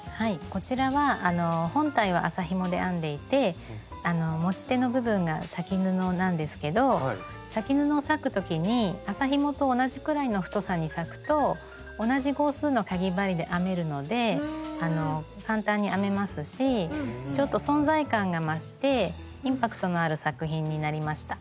こちらは本体は麻ひもで編んでいて持ち手の部分が裂き布なんですけど裂き布を裂く時に麻ひもと同じくらいの太さに裂くと同じ号数のかぎ針で編めるので簡単に編めますしちょっと存在感が増してインパクトのある作品になりました。